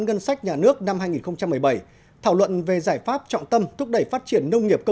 ngân sách nhà nước năm hai nghìn một mươi bảy thảo luận về giải pháp trọng tâm thúc đẩy phát triển nông nghiệp công